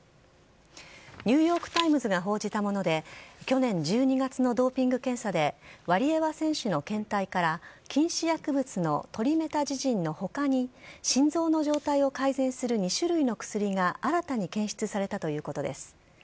ニューヨークタイムズが報じたもので、去年１２月のドーピング検査で、ワリエワ選手の検体から、禁止薬物のトリメタジジンのほかに、心臓の状態を改善する２種類の薬が新たに検出されたということです。